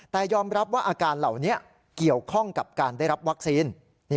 แต่ยอมรับว่าอาการเหล่านี้เกี่ยวข้องกับการได้รับวัคซีน